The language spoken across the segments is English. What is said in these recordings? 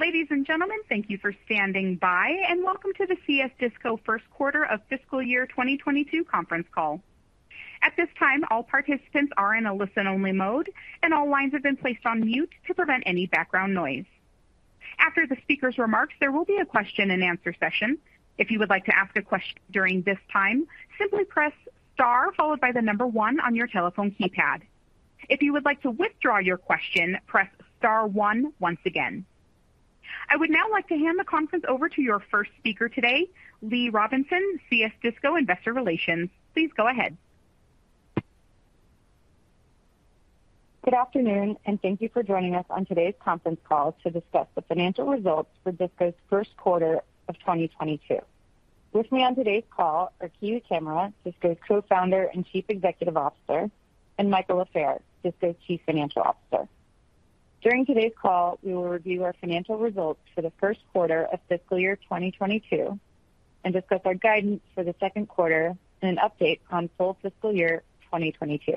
Ladies and gentlemen, thank you for standing by, and welcome to the CS DISCO first quarter of fiscal year 2022 conference call. At this time, all participants are in a listen-only mode and all lines have been placed on mute to prevent any background noise. After the speaker's remarks, there will be a question-and-answer session. If you would like to ask a question during this time, simply press Star followed by the number one on your telephone keypad. If you would like to withdraw your question, press star one once again. I would now like to hand the conference over to your first speaker today, Lee Robinson, CS DISCO Investor Relations. Please go ahead. Good afternoon, and thank you for joining us on today's conference call to discuss the financial results for DISCO's first quarter of 2022. With me on today's call are Kiwi Camara, DISCO's Co-Founder and Chief Executive Officer, and Michael Lafair, DISCO's Chief Financial Officer. During today's call, we will review our financial results for the first quarter of fiscal year 2022 and discuss our guidance for the second quarter and an update on full fiscal year 2022.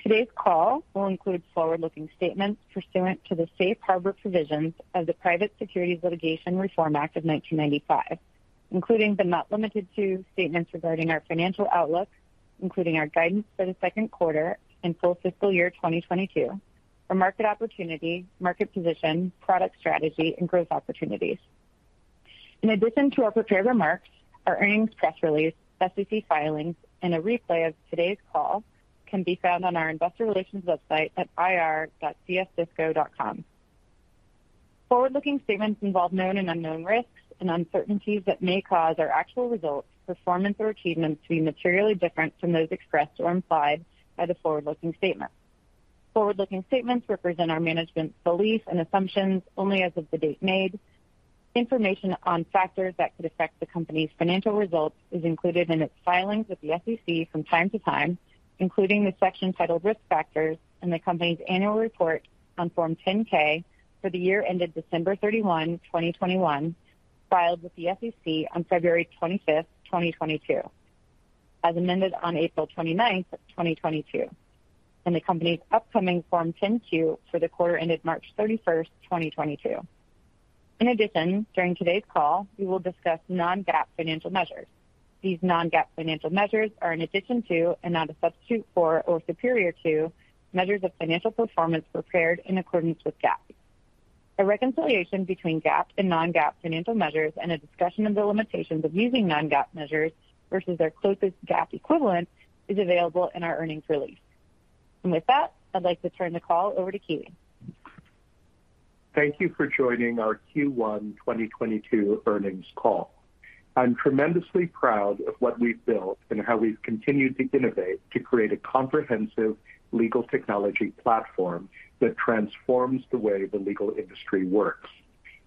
Today's call will include forward-looking statements pursuant to the Safe Harbor Provisions of the Private Securities Litigation Reform Act of 1995, including, but not limited to, statements regarding our financial outlook, including our guidance for the second quarter and full fiscal year 2022, our market opportunity, market position, product strategy, and growth opportunities. In addition to our prepared remarks, our earnings press release, SEC filings, and a replay of today's call can be found on our investor relations website at ir.csdisco.com. Forward-looking statements involve known and unknown risks and uncertainties that may cause our actual results, performance or achievements to be materially different from those expressed or implied by the forward-looking statements. Forward-looking statements represent our management's belief and assumptions only as of the date made. Information on factors that could affect the company's financial results is included in its filings with the SEC from time to time, including the section titled Risk Factors in the company's annual report on Form 10-K for the year ended December 31, 2021, filed with the SEC on February 25, 2022, as amended on April 29, 2022, and the company's upcoming Form 10-Q for the quarter ended March 31, 2022. In addition, during today's call, we will discuss non-GAAP financial measures. These non-GAAP financial measures are in addition to and not a substitute for or superior to measures of financial performance prepared in accordance with GAAP. A reconciliation between GAAP and non-GAAP financial measures and a discussion of the limitations of using non-GAAP measures versus their closest GAAP equivalent is available in our earnings release. With that, I'd like to turn the call over to Kiwi. Thank you for joining our Q1 2022 earnings call. I'm tremendously proud of what we've built and how we've continued to innovate to create a comprehensive legal technology platform that transforms the way the legal industry works.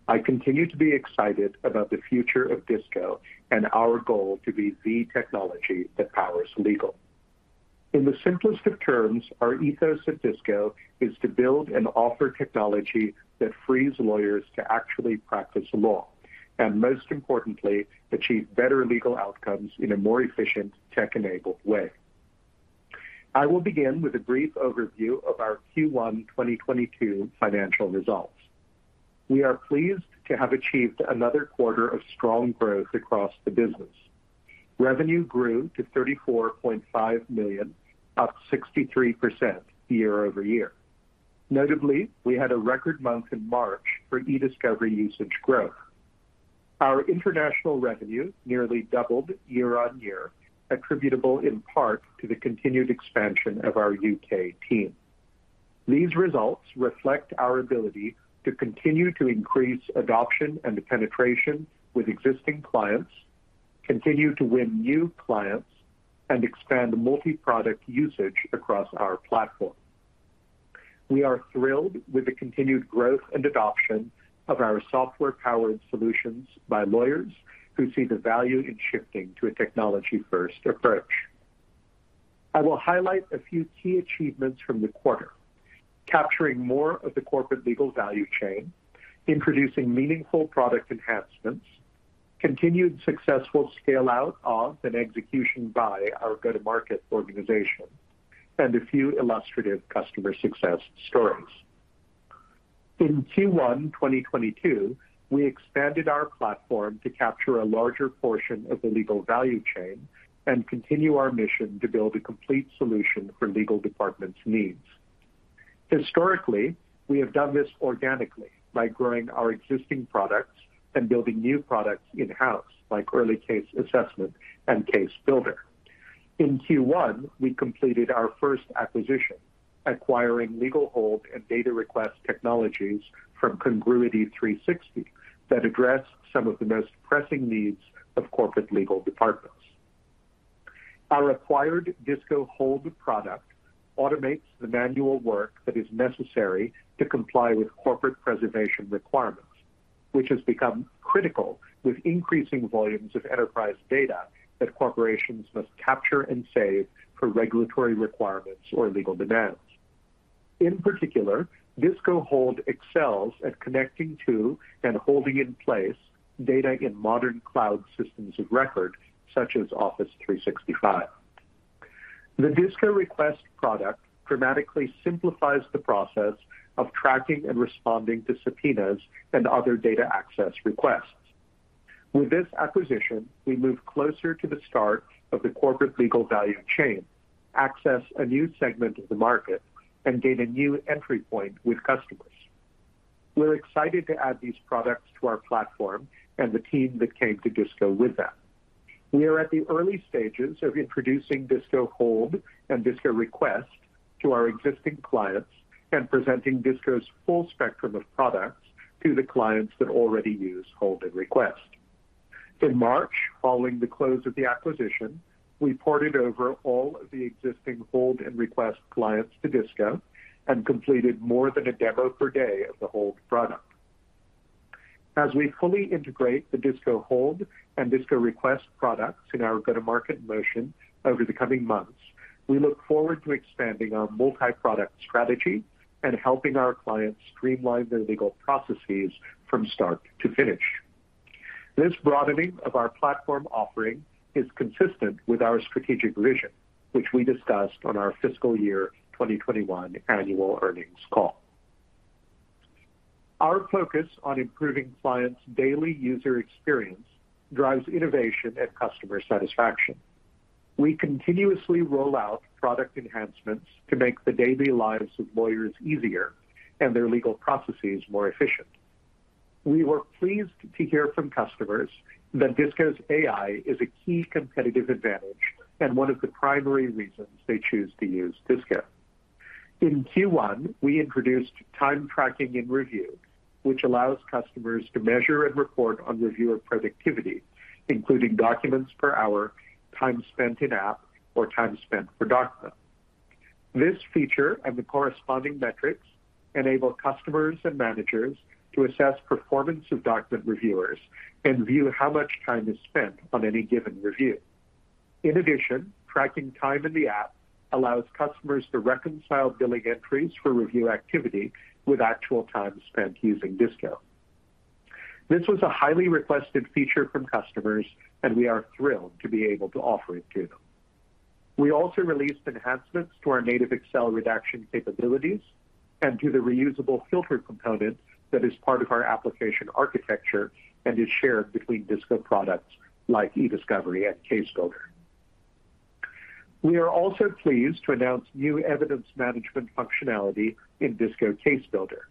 I continue to be excited about the future of DISCO and our goal to be the technology that powers legal. In the simplest of terms, our ethos at DISCO is to build and offer technology that frees lawyers to actually practice law, and most importantly, achieve better legal outcomes in a more efficient, tech-enabled way. I will begin with a brief overview of our Q1 2022 financial results. We are pleased to have achieved another quarter of strong growth across the business. Revenue grew to $34.5 million, up 63% year-over-year. Notably, we had a record month in March for Ediscovery usage growth. Our international revenue nearly doubled year-over-year, attributable in part to the continued expansion of our UK team. These results reflect our ability to continue to increase adoption and penetration with existing clients, continue to win new clients, and expand multiproduct usage across our platform. We are thrilled with the continued growth and adoption of our software-powered solutions by lawyers who see the value in shifting to a technology-first approach. I will highlight a few key achievements from the quarter, capturing more of the legal value chain, introducing meaningful product enhancements, continued successful scale-out of an execution by our go-to-market organization, and a few illustrative customer success stories. In Q1 2022, we expanded our platform to capture a larger portion of the legal value chain and continue our mission to build a complete solution for legal departments' needs. Historically, we have done this organically by growing our existing products and building new products in-house, like Early Case Assessment and Case Builder. In Q1, we completed our first acquisition, acquiring legal hold and data request technologies from Congruity360 that address some of the most pressing needs of corporate legal departments. Our acquired DISCO Hold product automates the manual work that is necessary to comply with corporate preservation requirements, which has become critical with increasing volumes of enterprise data that corporations must capture and save for regulatory requirements or legal demands. In particular, DISCO Hold excels at connecting to and holding in place data in modern cloud systems of record such as Office 365. The DISCO Request product dramatically simplifies the process of tracking and responding to subpoenas and other data access requests. With this acquisition, we move closer to the start of the corporate legal value chain, access a new segment of the market, and gain a new entry point with customers. We're excited to add these products to our platform and the team that came to DISCO with them. We are at the early stages of introducing DISCO Hold and DISCO Request to our existing clients and presenting DISCO's full spectrum of products to the clients that already use Hold and Request. In March, following the close of the acquisition, we ported over all of the existing Hold and Request clients to DISCO and completed more than a demo per day of the Hold product. As we fully integrate the DISCO Hold and DISCO Request products in our go-to-market motion over the coming months, we look forward to expanding our multi-product strategy and helping our clients streamline their legal processes from start to finish. This broadening of our platform offering is consistent with our strategic vision, which we discussed on our fiscal year 2021 annual earnings call. Our focus on improving clients' daily user experience drives innovation and customer satisfaction. We continuously roll out product enhancements to make the daily lives of lawyers easier and their legal processes more efficient. We were pleased to hear from customers that DISCO's AI is a key competitive advantage and one of the primary reasons they choose to use DISCO. In Q1, we introduced time tracking and review, which allows customers to measure and report on reviewer productivity, including documents per hour, time spent in-app, or time spent per document. This feature and the corresponding metrics enable customers and managers to assess performance of document reviewers and view how much time is spent on any given review. In addition, tracking time in the app allows customers to reconcile billing entries for review activity with actual time spent using DISCO. This was a highly requested feature from customers, and we are thrilled to be able to offer it to them. We also released enhancements to our native Excel redaction capabilities and to the reusable filter component that is part of our application architecture and is shared between DISCO products like Ediscovery and Case Builder. We are also pleased to announce new evidence management functionality in DISCO Case Builder.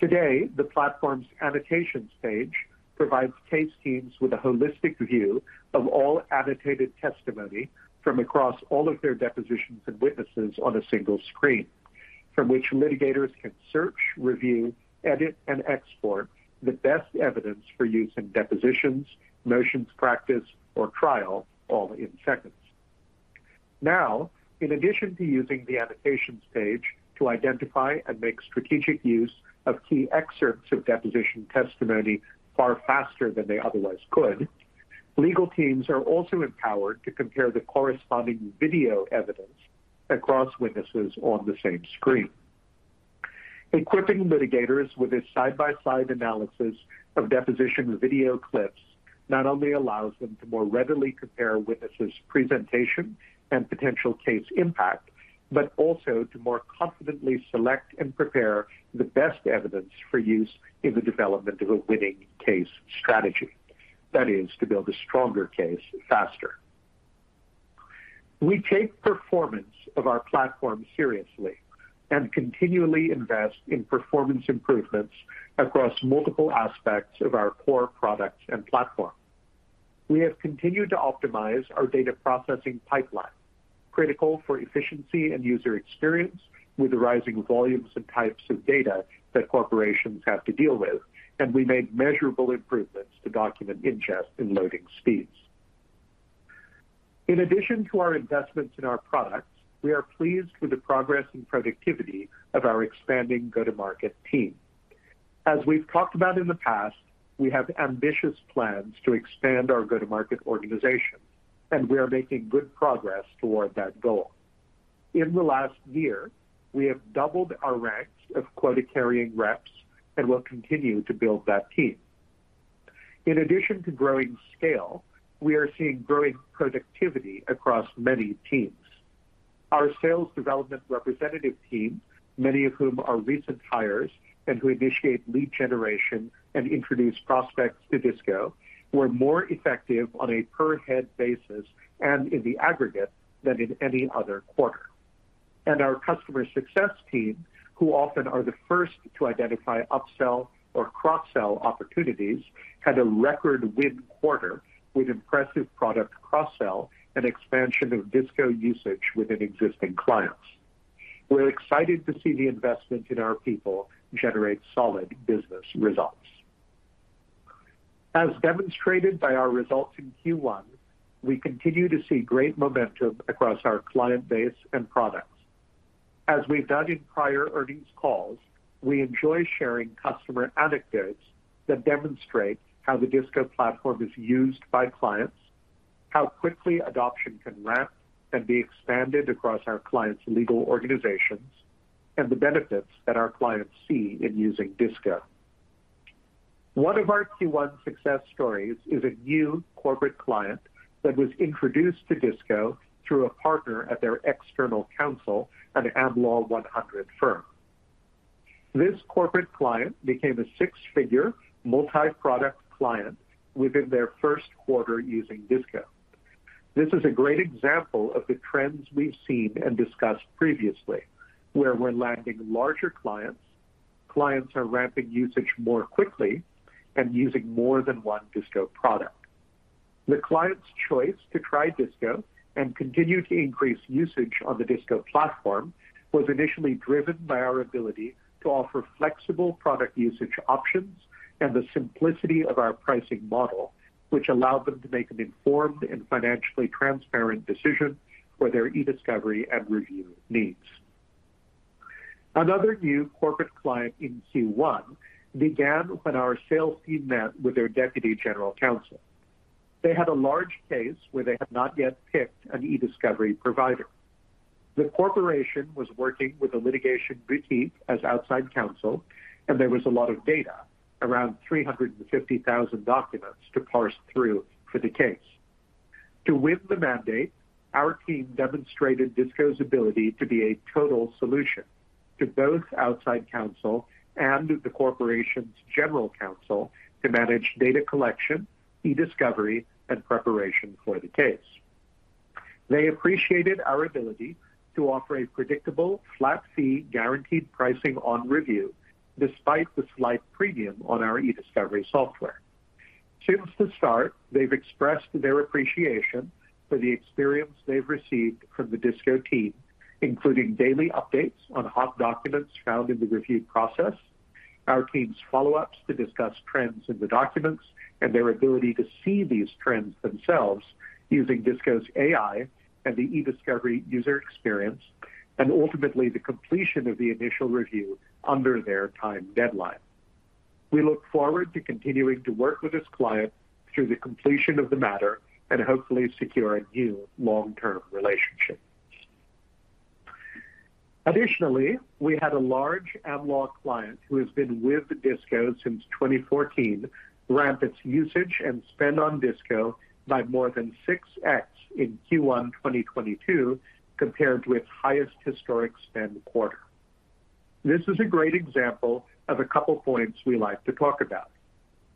Today, the platform's annotations page provides case teams with a holistic view of all annotated testimony from across all of their depositions and witnesses on a single screen, from which litigators can search, review, edit, and export the best evidence for use in depositions, motions practice, or trial, all in seconds. Now, in addition to using the annotations page to identify and make strategic use of key excerpts of deposition testimony far faster than they otherwise could, legal teams are also empowered to compare the corresponding video evidence across witnesses on the same screen. Equipping litigators with a side-by-side analysis of deposition video clips not only allows them to more readily compare witnesses' presentation and potential case impact, but also to more confidently select and prepare the best evidence for use in the development of a winning case strategy. That is, to build a stronger case faster. We take performance of our platform seriously and continually invest in performance improvements across multiple aspects of our core products and platform. We have continued to optimize our data processing pipeline, critical for efficiency and user experience with the rising volumes and types of data that corporations have to deal with, and we made measurable improvements to document ingest and loading speeds. In addition to our investments in our products, we are pleased with the progress and productivity of our expanding go-to-market team. As we've talked about in the past, we have ambitious plans to expand our go-to-market organization, and we are making good progress toward that goal. In the last year, we have doubled our ranks of quota-carrying reps and will continue to build that team. In addition to growing scale, we are seeing growing productivity across many teams. Our sales development representative team, many of whom are recent hires and who initiate lead generation and introduce prospects to DISCO, were more effective on a per-head basis and in the aggregate than in any other quarter. Our customer success team, who often are the first to identify upsell or cross-sell opportunities, had a record win quarter with impressive product cross-sell and expansion of DISCO usage within existing clients. We're excited to see the investment in our people generate solid business results. As demonstrated by our results in Q1, we continue to see great momentum across our client base and products. As we've done in prior earnings calls, we enjoy sharing customer anecdotes that demonstrate how the DISCO platform is used by clients, how quickly adoption can ramp and be expanded across our clients' legal organizations, and the benefits that our clients see in using DISCO. One of our Q1 success stories is a new corporate client that was introduced to DISCO through a partner at their external counsel at Am Law 100 firm. This corporate client became a six-figure multi-product client within their first quarter using DISCO. This is a great example of the trends we've seen and discussed previously, where we're landing larger clients are ramping usage more quickly and using more than one DISCO product. The client's choice to try DISCO and continue to increase usage on the DISCO platform was initially driven by our ability to offer flexible product usage options and the simplicity of our pricing model, which allowed them to make an informed and financially transparent decision for their Ediscovery and review needs. Another new corporate client in Q1 began when our sales team met with their deputy general counsel. They had a large case where they had not yet picked an Ediscovery provider. The corporation was working with a litigation boutique as outside counsel, and there was a lot of data, around 350,000 documents to parse through for the case. To win the mandate, our team demonstrated DISCO's ability to be a total solution to both outside counsel and the corporation's general counsel to manage data collection, Ediscovery, and preparation for the case. They appreciated our ability to offer a predictable, flat-fee, guaranteed pricing on review despite the slight premium on our Ediscovery software. Since the start, they've expressed their appreciation for the experience they've received from the DISCO team, including daily updates on hot documents found in the review process, our team's follow-ups to discuss trends in the documents, and their ability to see these trends themselves using DISCO's AI and the Ediscovery user experience, and ultimately the completion of the initial review under their time deadline. We look forward to continuing to work with this client through the completion of the matter and hopefully secure a new long-term relationship. Additionally, we had a large Am Law client who has been with DISCO since 2014, ramp its usage and spend on DISCO by more than 6x in Q1 2022, compared to its highest historic spend quarter. This is a great example of a couple points we like to talk about.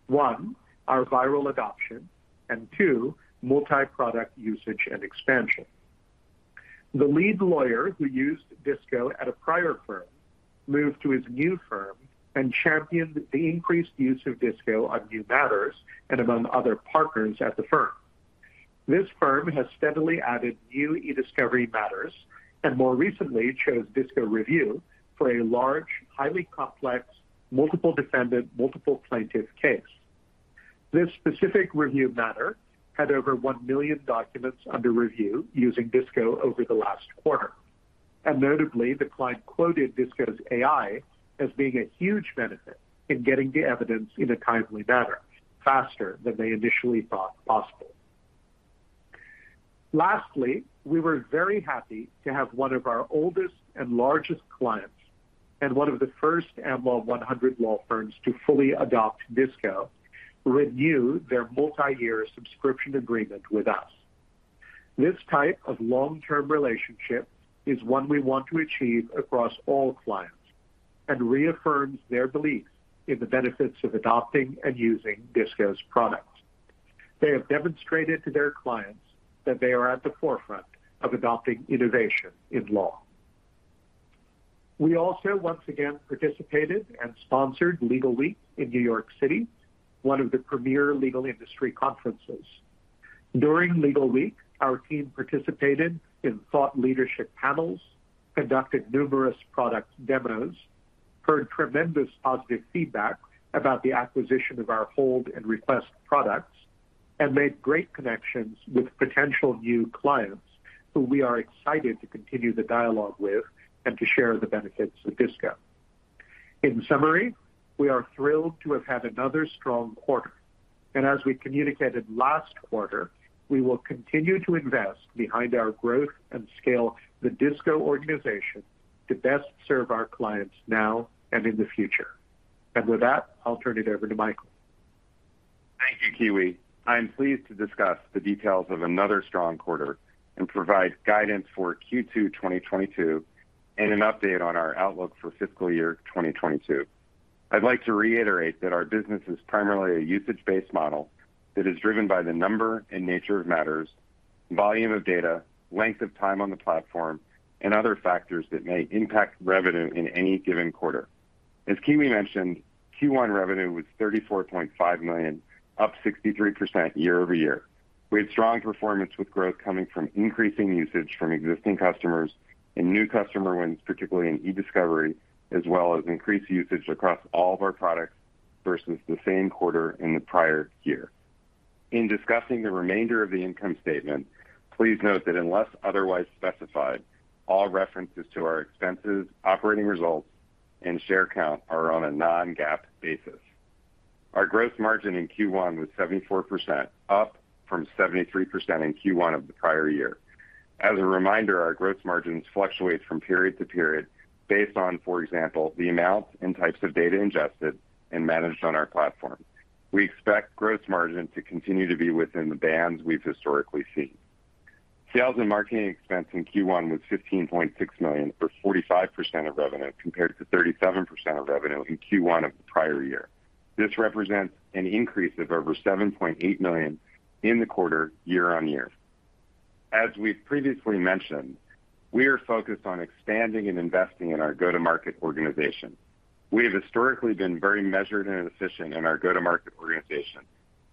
One, our viral adoption, and two, multi-product usage and expansion. The lead lawyer who used DISCO at a prior firm moved to his new firm and championed the increased use of DISCO on new matters and among other partners at the firm. This firm has steadily added new Ediscovery matters and more recently chose DISCO Review for a large, highly complex, multiple defendant, multiple plaintiff case. This specific review matter had over one million documents under review using DISCO over the last quarter. Notably, the client quoted DISCO's AI as being a huge benefit in getting the evidence in a timely manner, faster than they initially thought possible. Lastly, we were very happy to have one of our oldest and largest clients, and one of the first Am Law 100 law firms to fully adopt DISCO, renew their multi-year subscription agreement with us. This type of long-term relationship is one we want to achieve across all clients and reaffirms their belief in the benefits of adopting and using DISCO's products. They have demonstrated to their clients that they are at the forefront of adopting innovation in law. We also once again participated and sponsored Legalweek in New York City, one of the premier legal industry conferences. During Legalweek, our team participated in thought leadership panels, conducted numerous product demos, heard tremendous positive feedback about the acquisition of our hold and request products, and made great connections with potential new clients who we are excited to continue the dialogue with and to share the benefits of DISCO. In summary, we are thrilled to have had another strong quarter. As we communicated last quarter, we will continue to invest behind our growth and scale the DISCO organization to best serve our clients now and in the future. With that, I'll turn it over to Michael. Thank you, Kiwi. I'm pleased to discuss the details of another strong quarter and provide guidance for Q2 2022 and an update on our outlook for fiscal year 2022. I'd like to reiterate that our business is primarily a usage-based model that is driven by the number and nature of matters, volume of data, length of time on the platform, and other factors that may impact revenue in any given quarter. As Kiwi mentioned, Q1 revenue was $34.5 million, up 63% year-over-year. We had strong performance with growth coming from increasing usage from existing customers and new customer wins, particularly in Ediscovery, as well as increased usage across all of our products versus the same quarter in the prior year. In discussing the remainder of the income statement, please note that unless otherwise specified, all references to our expenses, operating results, and share count are on a non-GAAP basis. Our gross margin in Q1 was 74%, up from 73% in Q1 of the prior year. As a reminder, our gross margins fluctuate from period to period based on, for example, the amount and types of data ingested and managed on our platform. We expect gross margin to continue to be within the bands we've historically seen. Sales and marketing expense in Q1 was $15.6 million or 45% of revenue compared to 37% of revenue in Q1 of the prior year. This represents an increase of over $7.8 million in the quarter year-over-year. As we've previously mentioned, we are focused on expanding and investing in our go-to-market organization. We have historically been very measured and efficient in our go-to-market organization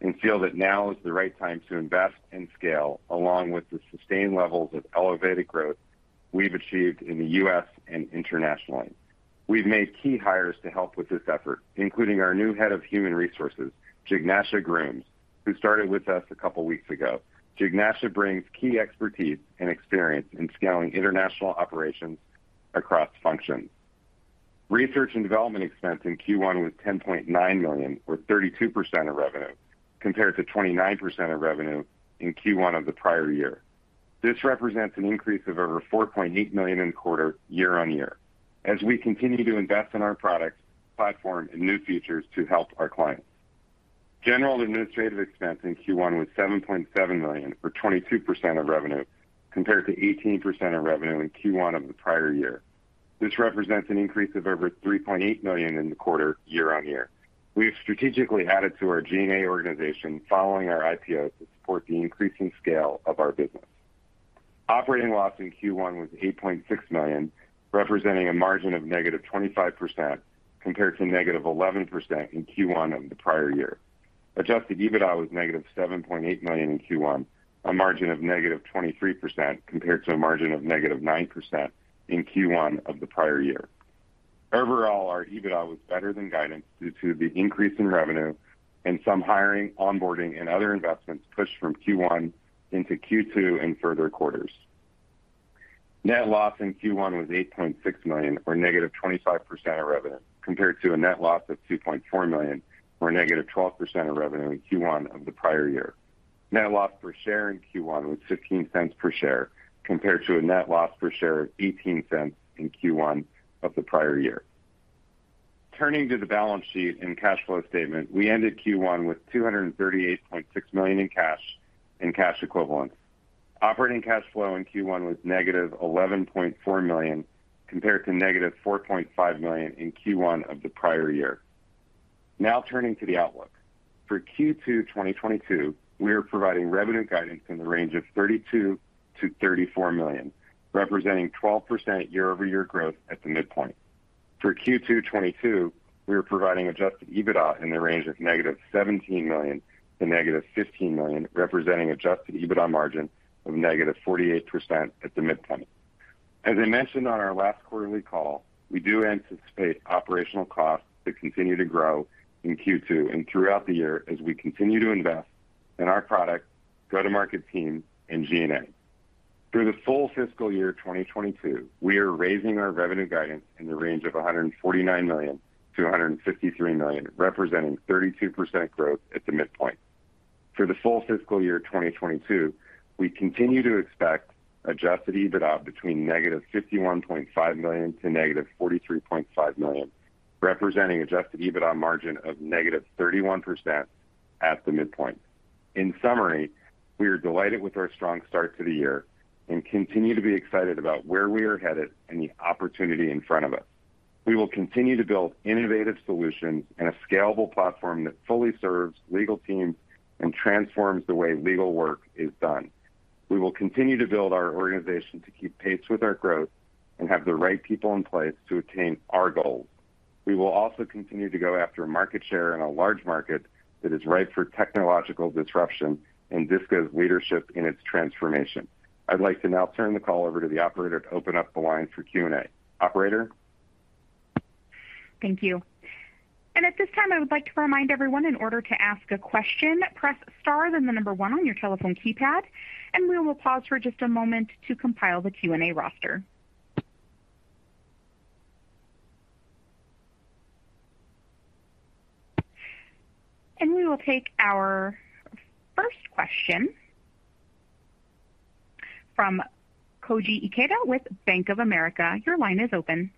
and feel that now is the right time to invest and scale along with the sustained levels of elevated growth we've achieved in the U.S. and internationally. We've made key hires to help with this effort, including our new head of human resources, Jignasa Grooms, who started with us a couple weeks ago. Jignasa brings key expertise and experience in scaling international operations across functions. Research and development expense in Q1 was $10.9 million, or 32% of revenue, compared to 29% of revenue in Q1 of the prior year. This represents an increase of over $4.8 million year-over-year as we continue to invest in our products, platform, and new features to help our clients. General and administrative expense in Q1 was $7.7 million, or 22% of revenue, compared to 18% of revenue in Q1 of the prior year. This represents an increase of over $3.8 million in the quarter year-over-year. We have strategically added to our G&A organization following our IPO to support the increasing scale of our business. Operating loss in Q1 was $8.6 million, representing a margin of -25%, compared to -11% in Q1 of the prior year. Adjusted EBITDA was -$7.8 million in Q1, a margin of -23% compared to a margin of -9% in Q1 of the prior year. Overall, our EBITDA was better than guidance due to the increase in revenue and some hiring, onboarding, and other investments pushed from Q1 into Q2 and further quarters. Net loss in Q1 was $8.6 million or -25% of revenue, compared to a net loss of $2.4 million or -12% of revenue in Q1 of the prior year. Net loss per share in Q1 was $0.15 per share, compared to a net loss per share of $0.18 in Q1 of the prior year. Turning to the balance sheet and cash flow statement, we ended Q1 with $238.6 million in cash and cash equivalents. Operating cash flow in Q1 was -$11.4 million, compared to -$4.5 million in Q1 of the prior year. Now turning to the outlook. For Q2 2022, we are providing revenue guidance in the range of $32 million-$34 million, representing 12% year-over-year growth at the midpoint. For Q2 2022, we are providing adjusted EBITDA in the range of -$17 million to -$15 million, representing adjusted EBITDA margin of -48% at the midpoint. As I mentioned on our last quarterly call, we do anticipate operational costs to continue to grow in Q2 and throughout the year as we continue to invest in our product, go-to-market team, and G&A. Through the full fiscal year 2022, we are raising our revenue guidance in the range of $149 million-$153 million, representing 32% growth at the midpoint. For the full fiscal year 2022, we continue to expect adjusted EBITDA between -$51.5 million to -$43.5 million, representing adjusted EBITDA margin of -31% at the midpoint. In summary, we are delighted with our strong start to the year and continue to be excited about where we are headed and the opportunity in front of us. We will continue to build innovative solutions and a scalable platform that fully serves legal teams and transforms the way legal work is done. We will continue to build our organization to keep pace with our growth and have the right people in place to attain our goals. We will also continue to go after market share in a large market that is ripe for technological disruption and DISCO's leadership in its transformation. I'd like to now turn the call over to the operator to open up the line for Q&A. Operator? Thank you. At this time, I would like to remind everyone in order to ask a question, press star, then the number one on your telephone keypad, and we will pause for just a moment to compile the Q&A roster. We will take our first question from Koji Ikeda with Bank of America. Your line is open.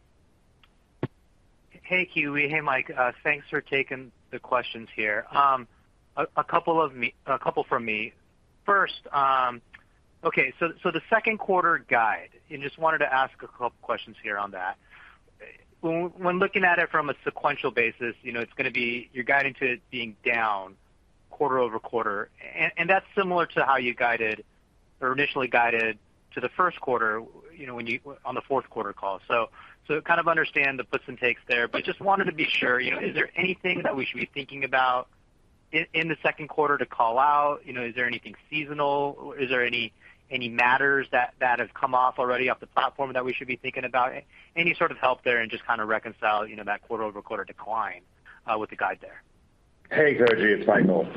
Hey, Kiwi. Hey, Mike. Thanks for taking the questions here. A couple from me. First, the second quarter guide, and just wanted to ask a couple questions here on that. When looking at it from a sequential basis, you know, you're guiding to it being down quarter-over-quarter. That's similar to how you guided or initially guided to the first quarter, you know, on the fourth quarter call. Kind of understand the puts and takes there, but just wanted to be sure, you know, is there anything that we should be thinking about in the second quarter to call out? You know, is there anything seasonal? Is there any matters that have come off already off the platform that we should be thinking about? Any sort of help there and just kinda reconcile, you know, that quarter-over-quarter decline with the guide there. Hey, Koji. It's Michael.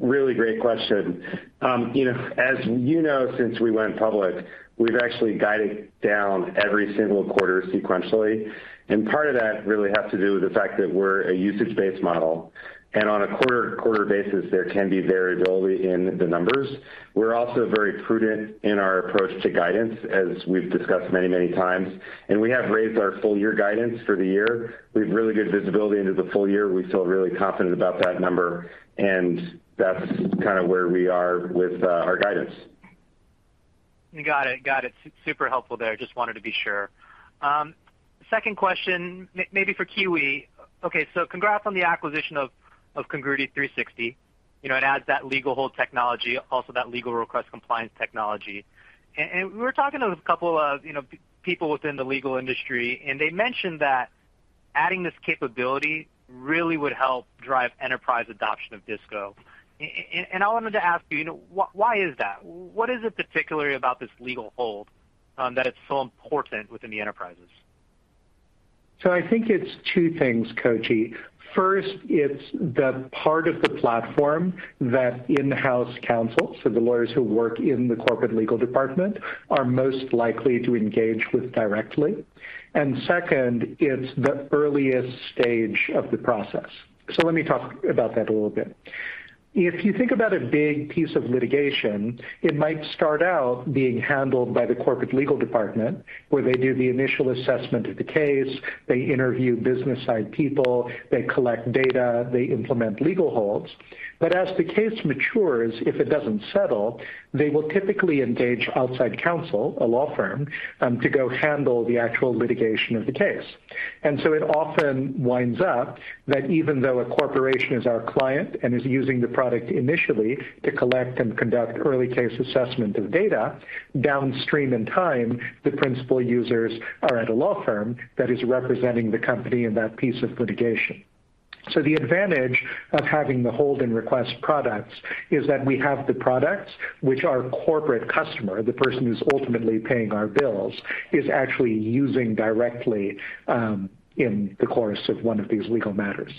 Really great question. You know, as you know, since we went public, we've actually guided down every single quarter sequentially, and part of that really has to do with the fact that we're a usage-based model, and on a quarter-to-quarter basis, there can be variability in the numbers. We're also very prudent in our approach to guidance, as we've discussed many, many times, and we have raised our full year guidance for the year. We have really good visibility into the full year. We feel really confident about that number, and that's kinda where we are with our guidance. Got it. Super helpful there. Just wanted to be sure. Second question, maybe for Kiwi. Okay, so congrats on the acquisition of Congruity360. You know, it adds that legal hold technology, also that legal request compliance technology. We were talking to a couple of, you know, people within the legal industry, and they mentioned that adding this capability really would help drive enterprise adoption of DISCO. I wanted to ask you know, why is that? What is it particularly about this legal hold that is so important within the enterprises? I think it's two things, Koji. First, it's the part of the platform that in-house counsel, so the lawyers who work in the corporate legal department, are most likely to engage with directly. Second, it's the earliest stage of the process. Let me talk about that a little bit. If you think about a big piece of litigation, it might start out being handled by the corporate legal department, where they do the initial assessment of the case, they interview business side people, they collect data, they implement legal holds. As the case matures, if it doesn't settle, they will typically engage outside counsel, a law firm, to go handle the actual litigation of the case. It often winds up that even though a corporation is our client and is using the product initially to collect and conduct early case assessment of data, downstream in time, the principal users are at a law firm that is representing the company in that piece of litigation. The advantage of having the hold and request products is that we have the products which our corporate customer, the person who's ultimately paying our bills, is actually using directly, in the course of one of these legal matters.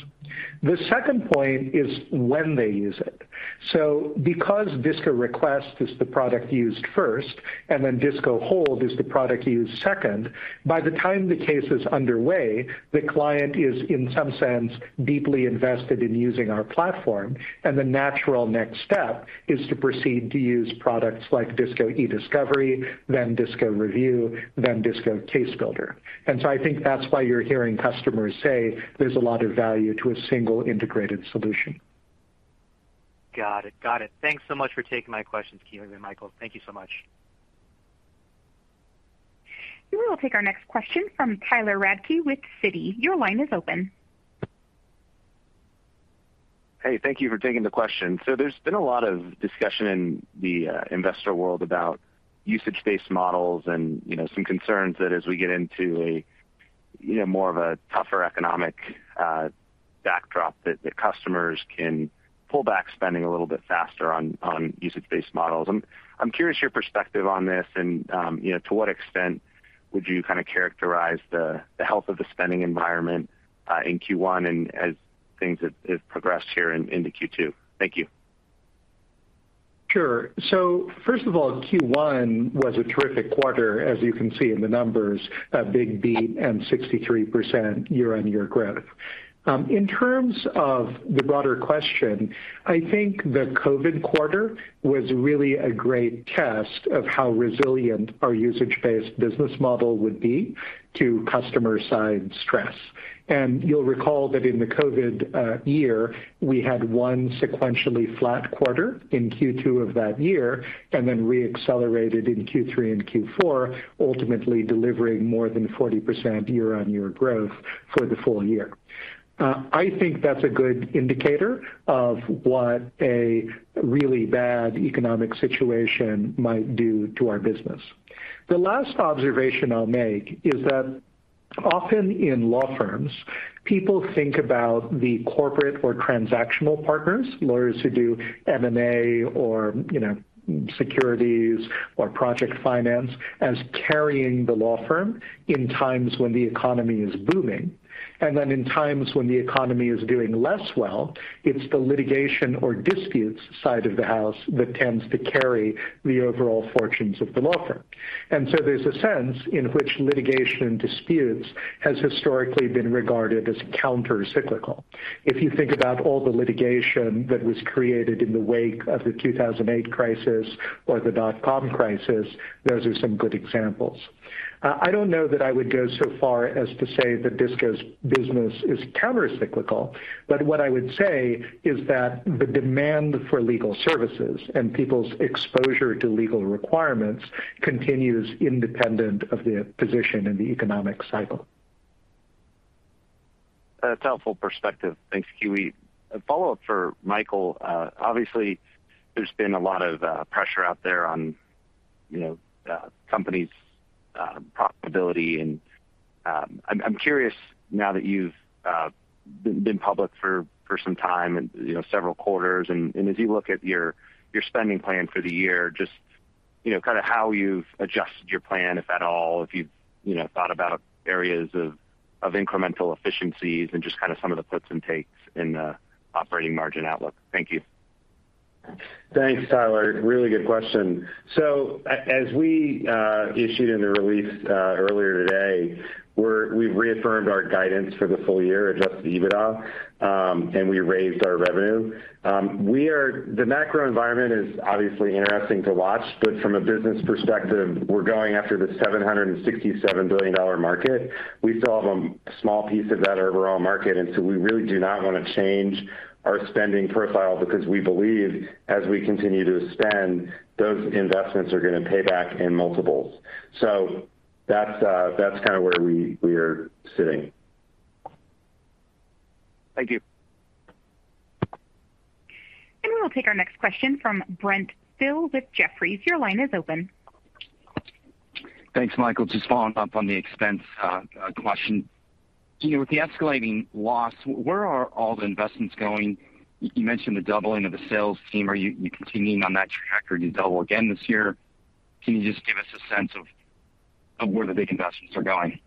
The second point is when they use it. Because DISCO Request is the product used first and then DISCO Hold is the product used second, by the time the case is underway, the client is in some sense deeply invested in using our platform, and the natural next step is to proceed to use products like DISCO Ediscovery, then DISCO Review, then DISCO Case Builder. I think that's why you're hearing customers say there's a lot of value to a single integrated solution. Got it. Thanks so much for taking my questions, Kiwi and Michael. Thank you so much. We will take our next question from Tyler Radke with Citi. Your line is open. Hey, thank you for taking the question. So there's been a lot of discussion in the investor world about usage-based models and, you know, some concerns that as we get into a, you know, more of a tougher economic backdrop that customers can pull back spending a little bit faster on usage-based models. I'm curious your perspective on this and, you know, to what extent would you kinda characterize the health of the spending environment in Q1 and as things have progressed here into Q2? Thank you. Sure. First of all, Q1 was a terrific quarter, as you can see in the numbers, a big beat and 63% year-on-year growth. In terms of the broader question, I think the COVID quarter was really a great test of how resilient our usage-based business model would be to customer side stress. You'll recall that in the COVID year, we had one sequentially flat quarter in Q2 of that year, and then re-accelerated in Q3 and Q4, ultimately delivering more than 40% year-on-year growth for the full year. I think that's a good indicator of what a really bad economic situation might do to our business. The last observation I'll make is that often in law firms, people think about the corporate or transactional partners, lawyers who do M&A or, you know, securities or project finance, as carrying the law firm in times when the economy is booming. In times when the economy is doing less well, it's the litigation or disputes side of the house that tends to carry the overall fortunes of the law firm. There's a sense in which litigation and disputes has historically been regarded as countercyclical. If you think about all the litigation that was created in the wake of the 2008 crisis or the dot-com crisis, those are some good examples. I don't know that I would go so far as to say that DISCO's business is countercyclical, but what I would say is that the demand for legal services and people's exposure to legal requirements continues independent of the position in the economic cycle. That's helpful perspective. Thanks, Kiwi. A follow-up for Michael. Obviously, there's been a lot of pressure out there on, you know, companies' profitability. I'm curious now that you've been public for some time and you know, several quarters, and as you look at your spending plan for the year, just you know, kinda how you've adjusted your plan, if at all, if you've you know, thought about areas of incremental efficiencies and just kinda some of the puts and takes in the operating margin outlook. Thank you. Thanks, Tyler. Really good question. As we issued in the release earlier today, we've reaffirmed our guidance for the full year, adjusted EBITDA, and we raised our revenue. The macro environment is obviously interesting to watch, but from a business perspective, we're going after the $767 billion market. We still have a small piece of that overall market, and so we really do not wanna change our spending profile because we believe as we continue to spend, those investments are gonna pay back in multiples. That's kinda where we are sitting. Thank you. We will take our next question from Brent Thill with Jefferies. Your line is open. Thanks, Michael. Just following up on the expense question. You know, with the escalating loss, where are all the investments going? You mentioned the doubling of the sales team. Are you continuing on that trajectory to double again this year? Can you just give us a sense of where the big investments are going?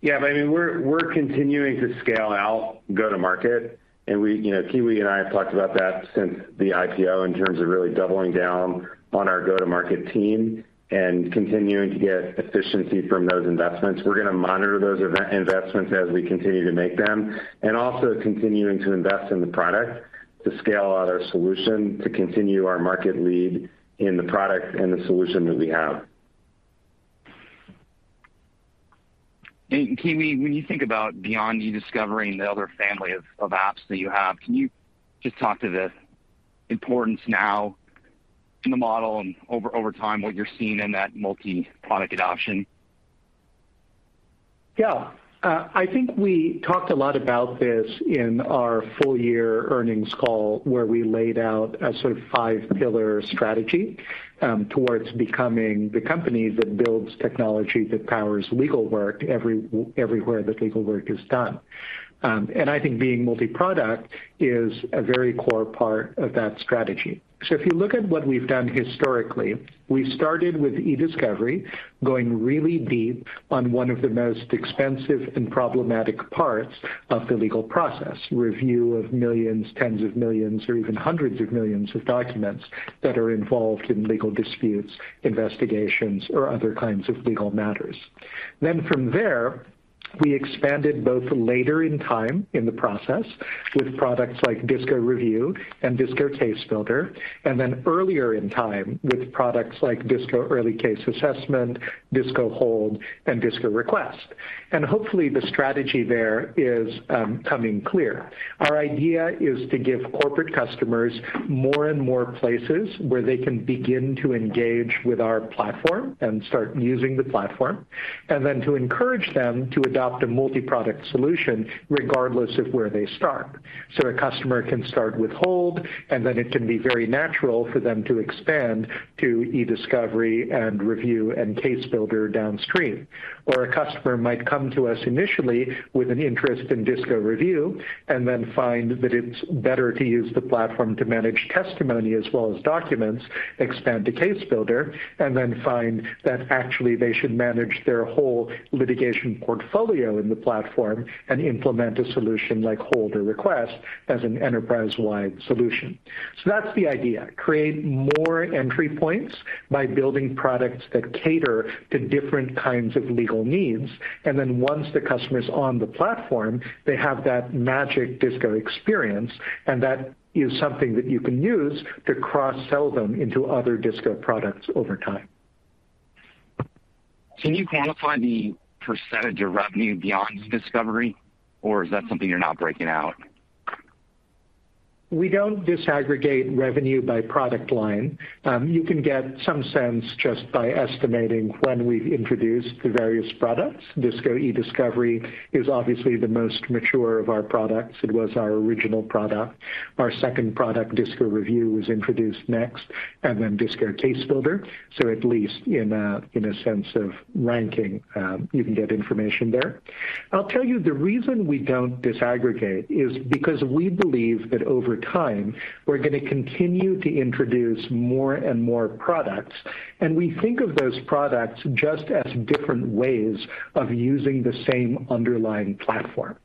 Yeah, I mean, we're continuing to scale out go-to-market, and we, you know, Kiwi and I have talked about that since the IPO in terms of really doubling down on our go-to-market team and continuing to get efficiency from those investments. We're gonna monitor those investments as we continue to make them, and also continuing to invest in the product to scale out our solution to continue our market lead in the product and the solution that we have. Kiwi, when you think about beyond Ediscovery and the other family of apps that you have, can you just talk to the importance now in the model and over time what you're seeing in that multiproduct adoption? Yeah. I think we talked a lot about this in our full year earnings call, where we laid out a sort of five-pillar strategy, towards becoming the company that builds technology that powers legal work everywhere that legal work is done. I think being multiproduct is a very core part of that strategy. If you look at what we've done historically, we started with Ediscovery, going really deep on one of the most expensive and problematic parts of the legal process, review of millions, tens of millions or even hundreds of millions of documents that are involved in legal disputes, investigations, or other kinds of legal matters. From there, we expanded both later in time in the process with products like DISCO Review and DISCO Case Builder, and then earlier in time with products like DISCO Early Case Assessment, DISCO Hold, and DISCO Request. Hopefully the strategy there is coming clear. Our idea is to give corporate customers more and more places where they can begin to engage with our platform and start using the platform, and then to encourage them to adopt a multiproduct solution regardless of where they start. A customer can start with DISCO Hold, and then it can be very natural for them to expand to Ediscovery and DISCO Review and DISCO Case Builder downstream. A customer might come to us initially with an interest in DISCO Review and then find that it's better to use the platform to manage testimony as well as documents, expand to DISCO Case Builder, and then find that actually they should manage their whole litigation portfolio in the platform and implement a solution like DISCO Hold or DISCO Request as an enterprise-wide solution. That's the idea, create more entry points by building products that cater to different kinds of legal needs. Then once the customer's on the platform, they have that magic DISCO experience, and that is something that you can use to cross-sell them into other DISCO products over time. Can you quantify the percentage of revenue beyond Ediscovery, or is that something you're not breaking out? We don't disaggregate revenue by product line. You can get some sense just by estimating when we've introduced the various products. DISCO Ediscovery is obviously the most mature of our products. It was our original product. Our second product, DISCO Review, was introduced next, and then DISCO Case Builder. At least in a sense of ranking, you can get information there. I'll tell you, the reason we don't disaggregate is because we believe that over time, we're gonna continue to introduce more and more products, and we think of those products just as different ways of using the same underlying platform.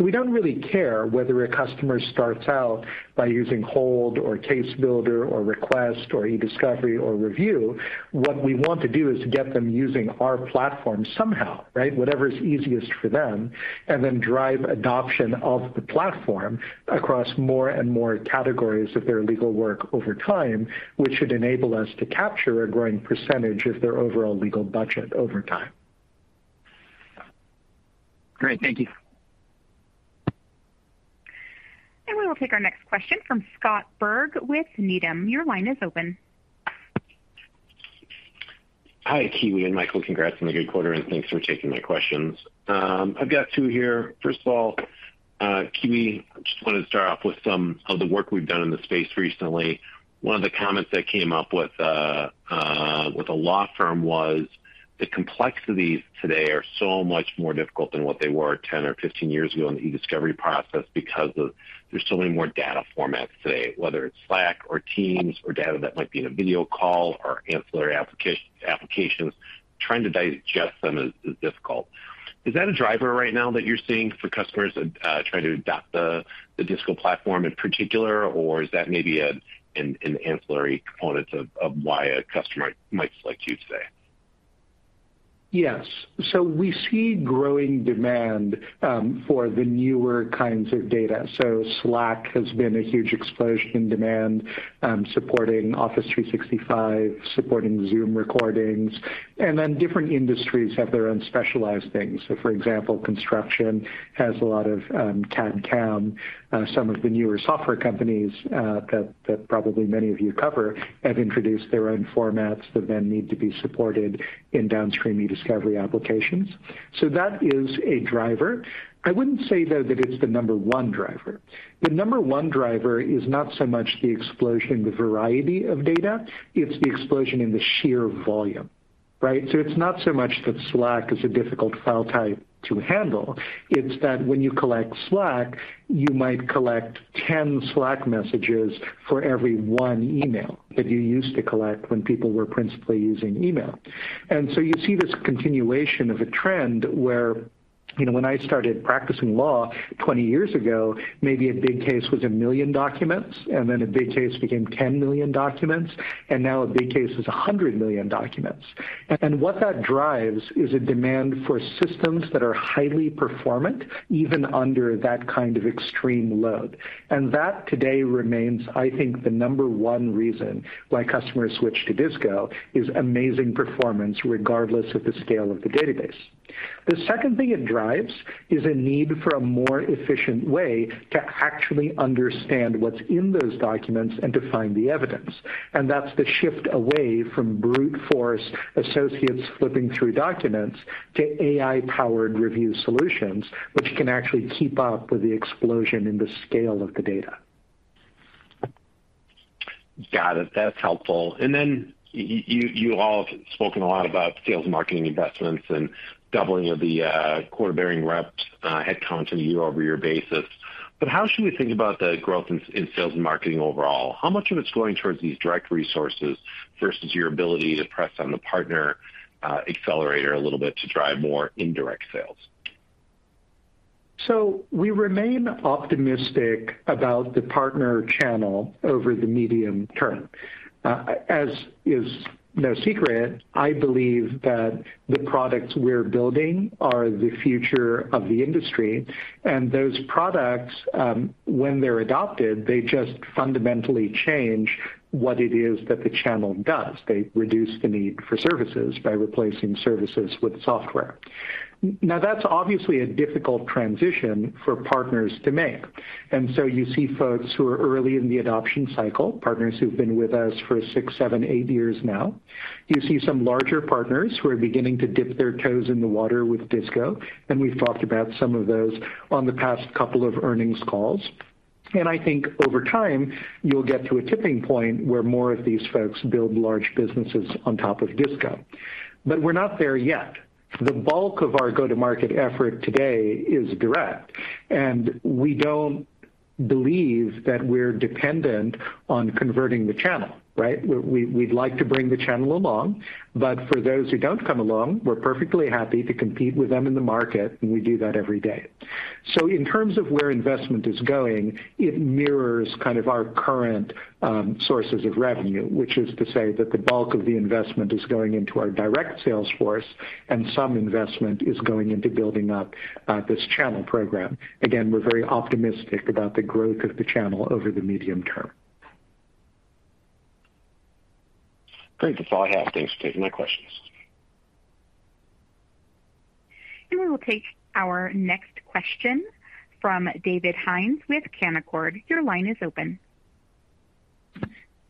We don't really care whether a customer starts out by using Hold or Case Builder or Request or Ediscovery or Review. What we want to do is to get them using our platform somehow, right? Whatever's easiest for them, and then drive adoption of the platform across more and more categories of their legal work over time, which should enable us to capture a growing percentage of their overall legal budget over time. Great. Thank you. We will take our next question from Scott Berg with Needham. Your line is open. Hi, Kiwi and Michael. Congrats on the good quarter, and thanks for taking my questions. I've got two here. First of all, Kiwi, I just wanted to start off with some of the work we've done in the space recently. One of the comments that came up with a law firm was the complexities today are so much more difficult than what they were 10 or 15 years ago in the Ediscovery process because of there's so many more data formats today, whether it's Slack or Teams or data that might be in a video call or ancillary applications. Trying to digest them is difficult. Is that a driver right now that you're seeing for customers trying to adopt the DISCO platform in particular, or is that maybe an ancillary component of why a customer might select you today? Yes. We see growing demand for the newer kinds of data. Slack has been a huge explosion in demand supporting Office 365, supporting Zoom recordings. Different industries have their own specialized things. For example, construction has a lot of CAD/CAM. Some of the newer software companies that probably many of you cover have introduced their own formats that then need to be supported in downstream Ediscovery applications. That is a driver. I wouldn't say, though, that it's the number one driver. The number one driver is not so much the explosion in the variety of data, it's the explosion in the sheer volume. Right? It's not so much that Slack is a difficult file type to handle. It's that when you collect Slack, you might collect 10 Slack messages for every one email that you used to collect when people were principally using email. You see this continuation of a trend where, you know, when I started practicing law 20 years ago, maybe a big case was a million documents, and then a big case became 10 million documents, and now a big case is 100 million documents. What that drives is a demand for systems that are highly performant, even under that kind of extreme load. That today remains, I think, the number one reason why customers switch to DISCO is amazing performance regardless of the scale of the database. The second thing it drives is a need for a more efficient way to actually understand what's in those documents and to find the evidence, and that's the shift away from brute force associates flipping through documents to AI-powered review solutions, which can actually keep up with the explosion in the scale of the data. Got it. That's helpful. Then you all have spoken a lot about sales and marketing investments and doubling of the quota-bearing reps headcount on a year-over-year basis. How should we think about the growth in sales and marketing overall? How much of it's going towards these direct resources versus your ability to press on the partner accelerator a little bit to drive more indirect sales? We remain optimistic about the partner channel over the medium term. As is no secret, I believe that the products we're building are the future of the industry, and those products, when they're adopted, they just fundamentally change what it is that the channel does. They reduce the need for services by replacing services with software. Now that's obviously a difficult transition for partners to make, and so you see folks who are early in the adoption cycle, partners who've been with us for six, seven, eight years now. You see some larger partners who are beginning to dip their toes in the water with DISCO, and we've talked about some of those on the past couple of earnings calls. I think over time, you'll get to a tipping point where more of these folks build large businesses on top of DISCO. We're not there yet. The bulk of our go-to-market effort today is direct, and we don't believe that we're dependent on converting the channel, right? We'd like to bring the channel along, but for those who don't come along, we're perfectly happy to compete with them in the market, and we do that every day. In terms of where investment is going, it mirrors kind of our current sources of revenue, which is to say that the bulk of the investment is going into our direct sales force and some investment is going into building up this channel program. Again, we're very optimistic about the growth of the channel over the medium term. Great. That's all I have. Thanks for taking my questions. We will take our next question from David Hynes with Canaccord. Your line is open.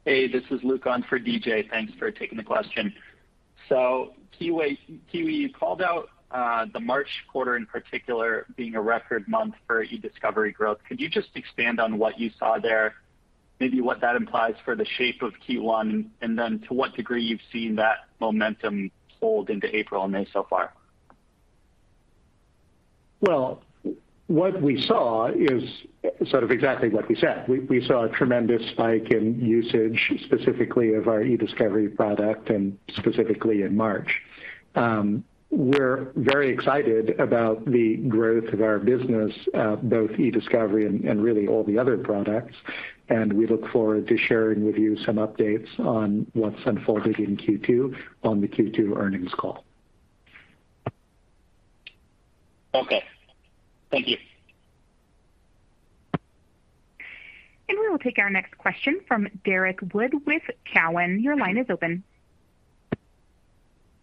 Hey, this is Luke on for DJ. Thanks for taking the question. Kiwi, you called out the March quarter in particular being a record month for Ediscovery growth. Could you just expand on what you saw there, maybe what that implies for the shape of Q1, and then to what degree you've seen that momentum hold into April and May so far? Well, what we saw is sort of exactly what we said. We saw a tremendous spike in usage, specifically of our Ediscovery product and specifically in March. We're very excited about the growth of our business, both Ediscovery and really all the other products, and we look forward to sharing with you some updates on what's unfolded in Q2 on the Q2 earnings call. Okay. Thank you. We will take our next question from Derrick Wood with Cowen. Your line is open.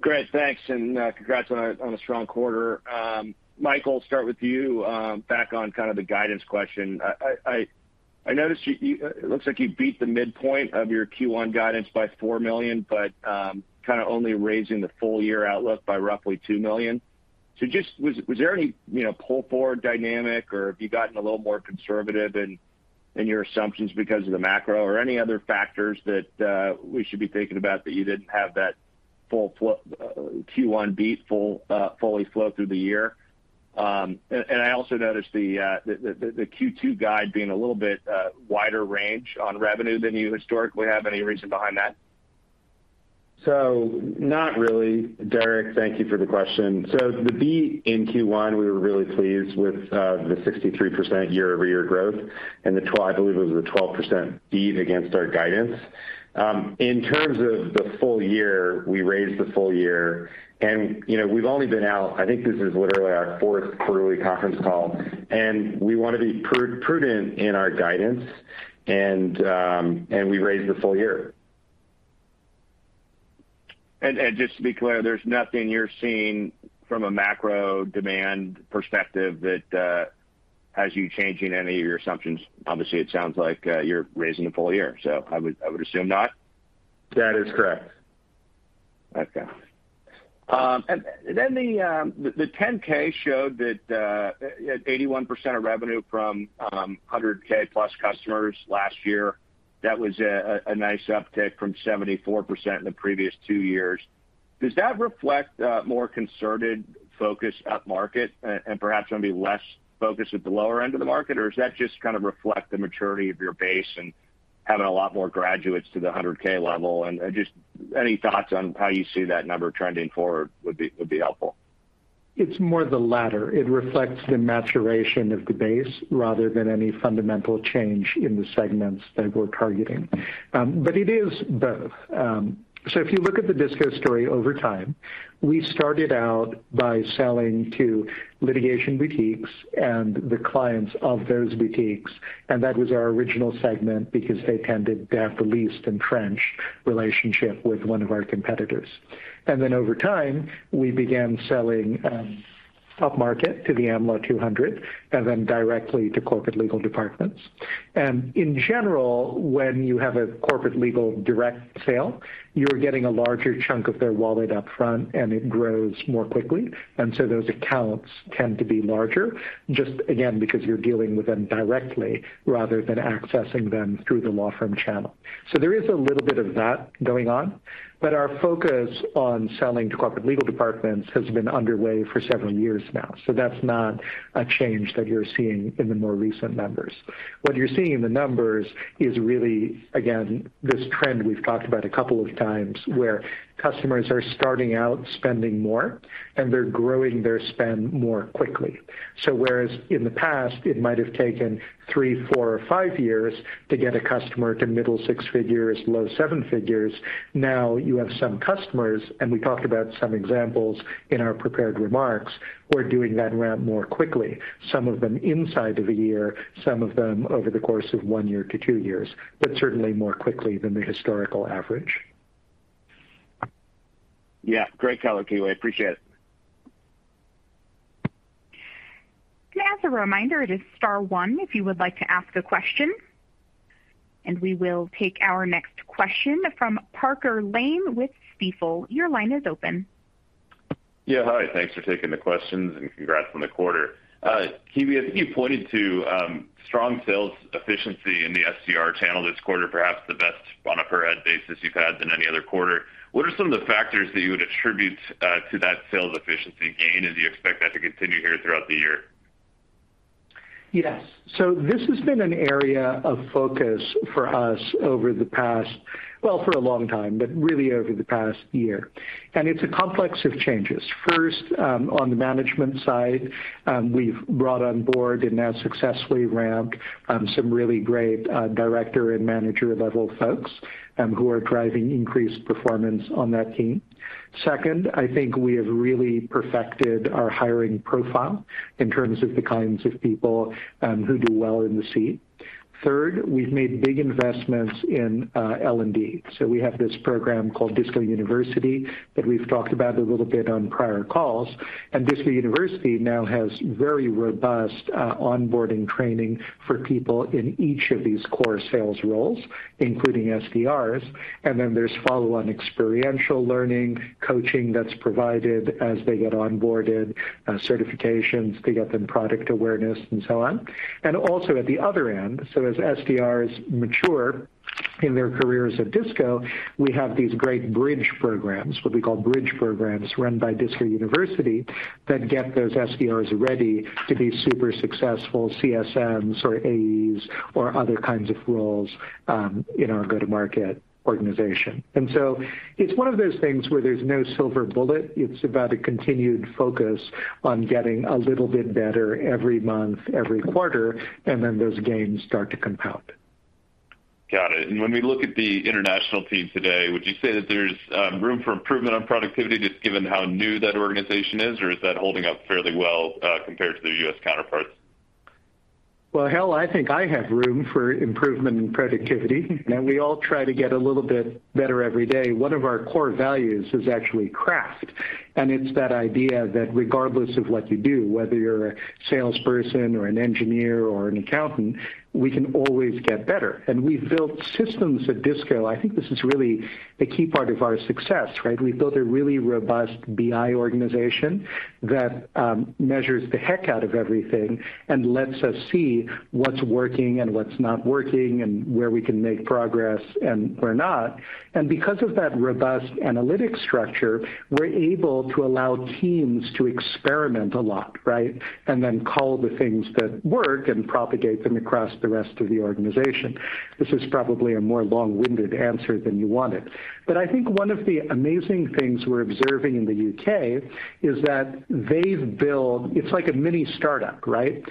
Great. Thanks, and congrats on a strong quarter. Michael, start with you, back on kind of the guidance question. I noticed you. It looks like you beat the midpoint of your Q1 guidance by $4 million, but kinda only raising the full year outlook by roughly $2 million. Just was there any, you know, pull-forward dynamic or have you gotten a little more conservative in your assumptions because of the macro or any other factors that we should be thinking about that you didn't have that full flow-through of the Q1 beat fully flow through the year? I also noticed the Q2 guide being a little bit wider range on revenue than you historically have. Any reason behind that? Not really, Derrick. Thank you for the question. The beat in Q1, we were really pleased with, the 63% year-over-year growth, and I believe it was a 12% beat against our guidance. In terms of the full year, we raised the full year and, you know, we've only been out, I think this is literally our fourth quarterly conference call, and we wanna be prudent in our guidance, and we raised the full year. Just to be clear, there's nothing you're seeing from a macro demand perspective that has you changing any of your assumptions. Obviously, it sounds like you're raising the full year, so I would assume not. That is correct. Okay. The 10-K showed that 81% of revenue from 100,000+ customers last year. That was a nice uptick from 74% in the previous two years. Does that reflect more concerted focus upmarket and perhaps maybe less focus at the lower end of the market? Or does that just kind of reflect the maturity of your base and having a lot more graduates to the 100,000 level? Just any thoughts on how you see that number trending forward would be helpful. It's more the latter. It reflects the maturation of the base rather than any fundamental change in the segments that we're targeting. It is both. If you look at the DISCO story over time, we started out by selling to litigation boutiques and the clients of those boutiques, and that was our original segment because they tended to have the least entrenched relationship with one of our competitors. Then over time, we began selling upmarket to the Am Law 200 and then directly to corporate legal departments. In general, when you have a corporate legal direct sale, you're getting a larger chunk of their wallet up front and it grows more quickly, and so those accounts tend to be larger just again, because you're dealing with them directly rather than accessing them through the law firm channel. There is a little bit of that going on, but our focus on selling to corporate legal departments has been underway for several years now. That's not a change that you're seeing in the more recent numbers. What you're seeing in the numbers is really, again, this trend we've talked about a couple of times where customers are starting out spending more and they're growing their spend more quickly. Whereas in the past it might have taken three, four or five years to get a customer to middle six figures, low seven figures. Now you have some customers, and we talked about some examples in our prepared remarks, who are doing that ramp more quickly, some of them inside of a year, some of them over the course of one year to two years, but certainly more quickly than the historical average. Yeah. Great color, Kiwi. I appreciate it. As a reminder, it is star one if you would like to ask a question, and we will take our next question from Parker Lane with Stifel. Your line is open. Yeah. Hi. Thanks for taking the questions and congrats on the quarter. Kiwi, I think you pointed to strong sales efficiency in the SDR channel this quarter, perhaps the best on a per head basis you've had than any other quarter. What are some of the factors that you would attribute to that sales efficiency gain? Do you expect that to continue here throughout the year? Yes. This has been an area of focus for us over the past. Well, for a long time, but really over the past year. It's a complex of changes. First, on the management side, we've brought on board and now successfully ramped some really great director and manager level folks who are driving increased performance on that team. Second, I think we have really perfected our hiring profile in terms of the kinds of people who do well in the seat. Third, we've made big investments in L&D. We have this program called DISCO University that we've talked about a little bit on prior calls. DISCO University now has very robust onboarding training for people in each of these core sales roles, including SDRs. There's follow-on experiential learning, coaching that's provided as they get onboarded, certifications to get them product awareness and so on. At the other end, so as SDRs mature in their careers at DISCO, we have these great bridge programs, what we call bridge programs, run by DISCO University that get those SDRs ready to be super successful CSMs or AEs or other kinds of roles in our go-to-market organization. It's one of those things where there's no silver bullet. It's about a continued focus on getting a little bit better every month, every quarter, and then those gains start to compound. Got it. When we look at the international team today, would you say that there's room for improvement on productivity just given how new that organization is, or is that holding up fairly well, compared to their U.S. counterparts? Well, hell, I think I have room for improvement in productivity. We all try to get a little bit better every day. One of our core values is actually craft, and it's that idea that regardless of what you do, whether you're a salesperson or an engineer or an accountant, we can always get better. We've built systems at DISCO. I think this is really a key part of our success, right? We've built a really robust BI organization that measures the heck out of everything and lets us see what's working and what's not working, and where we can make progress and where not. Because of that robust analytic structure, we're able to allow teams to experiment a lot, right? Then scale the things that work and propagate them across the rest of the organization. This is probably a more long-winded answer than you wanted, but I think one of the amazing things we're observing in the U.K. is that they've built, it's like a mini startup, right?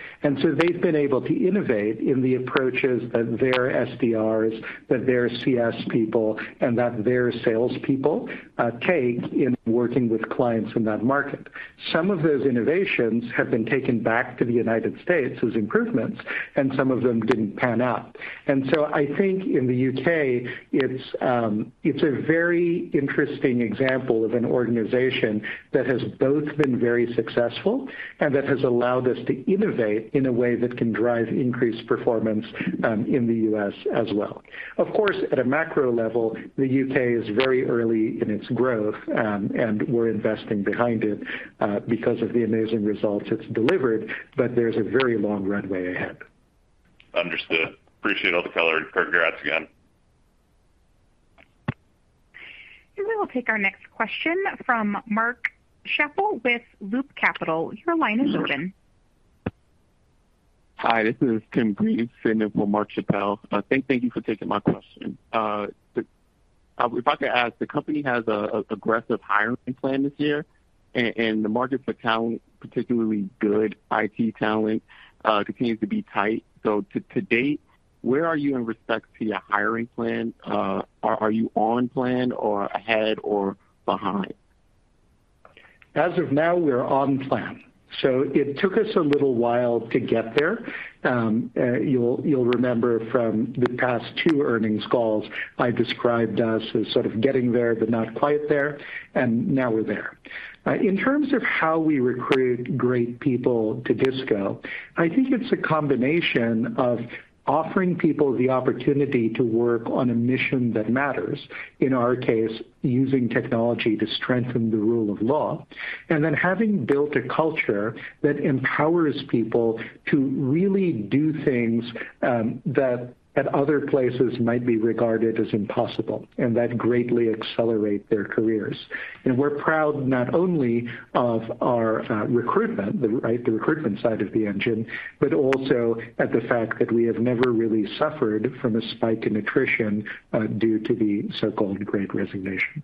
They've been able to innovate in the approaches that their SDRs, CS people, and salespeople take in working with clients in that market. Some of those innovations have been taken back to the United States as improvements, and some of them didn't pan out. I think in the U.K., it's a very interesting example of an organization that has both been very successful and that has allowed us to innovate in a way that can drive increased performance in the U.S. as well. Of course, at a macro level, the U.K. is very early in its growth, and we're investing behind it, because of the amazing results it's delivered. There's a very long runway ahead. Understood. Appreciate all the color. Congrats again. We will take our next question from Mark Schappel with Loop Capital. Your line is open. Hi, this is Tim Greaves standing in for Mark Schappel. Thank you for taking my question. If I could ask, the company has an aggressive hiring plan this year and the market for talent, particularly good IT talent, continues to be tight. To date, where are you in respect to your hiring plan? Are you on plan or ahead or behind? As of now, we're on plan. It took us a little while to get there. You'll remember from the past two earnings calls, I described us as sort of getting there, but not quite there, and now we're there. In terms of how we recruit great people to DISCO, I think it's a combination of offering people the opportunity to work on a mission that matters, in our case, using technology to strengthen the rule of law, and then having built a culture that empowers people to really do things that at other places might be regarded as impossible and that greatly accelerate their careers. We're proud not only of our recruitment, the recruitment side of the engine, but also of the fact that we have never really suffered from a spike in attrition due to the so-called Great Resignation.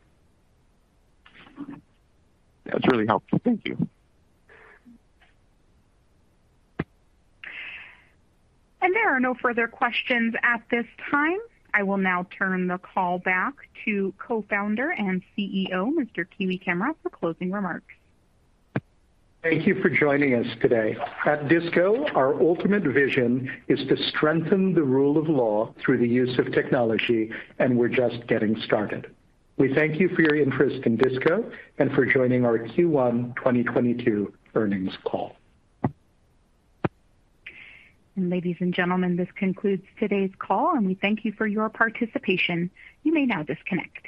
That's really helpful. Thank you. There are no further questions at this time. I will now turn the call back to Co-Founder and CEO, Mr. Kiwi Camara, for closing remarks. Thank you for joining us today. At DISCO, our ultimate vision is to strengthen the rule of law through the use of technology, and we're just getting started. We thank you for your interest in DISCO and for joining our Q1 2022 earnings call. Ladies and gentlemen, this concludes today's call, and we thank you for your participation. You may now disconnect.